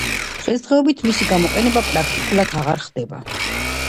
დღესდღეობით მისი გამოყენება პრაქტიკულად აღარ ხდება.